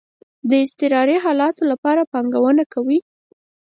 د اضطراری حالاتو لپاره پانګونه کوئ؟